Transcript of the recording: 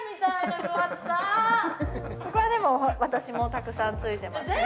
これでも私もたくさんついてますよ